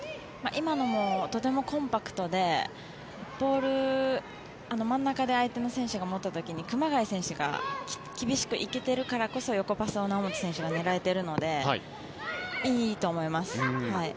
今のもとてもコンパクトで真ん中で相手の選手が持った時に、熊谷選手が厳しく行けているからこそ横パスを猶本選手が狙えているのでいいと思います。